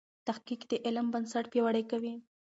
تحقیق د علم بنسټ پیاوړی کوي.